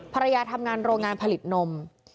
ภรรยาทำงานโรงงานผลิตนม